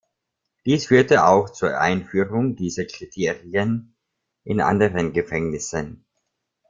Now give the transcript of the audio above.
Dies führte auch zur Einführung dieser Kriterien in anderen Gefängnissen.